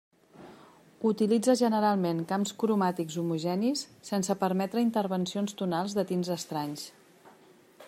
Utilitza generalment camps cromàtics homogenis sense permetre intervencions tonals de tints estranys.